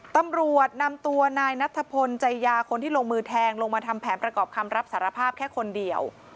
ตำรวจนำตัวนายนัทพลใจยาคนที่ลงมือแทงลงมาทำแผนประกอบคำรับสารภาพแค่คนเดียว